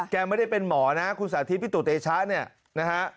ไม่ได้เป็นหมอนะคุณสาธิตปิตุเตชะเนี่ยนะฮะ